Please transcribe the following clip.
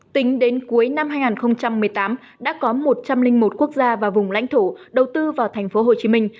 tính đến cuối năm hai nghìn một mươi tám đã có một trăm linh một quốc gia và vùng lãnh thổ đầu tư vào thành phố hồ chí minh